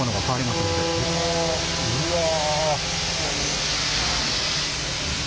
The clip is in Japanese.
うわ。